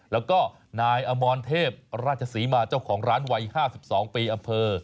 แล้วก็นายอมรเทพราชศรีมาเจ้าของร้านวัย๕๒ปีอำเภอ